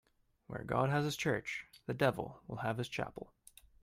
Where God has his church, the devil will have his chapel.